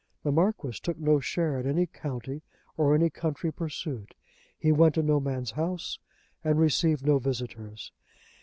The Marquis took no share in any county or any country pursuit. He went to no man's house and received no visitors.